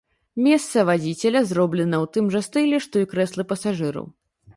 Месца вадзіцеля зроблена ў тым жа стылі, што і крэслы пасажыраў.